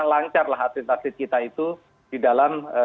lancar lah atlet atlet kita itu di dalam